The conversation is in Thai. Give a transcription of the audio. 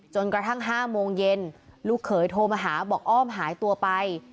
กระทั่ง๕โมงเย็นลูกเขยโทรมาหาบอกอ้อมหายตัวไป